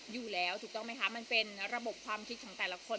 ถูกต้องไหมคะมันเป็นระบบความคิดของแต่ละคน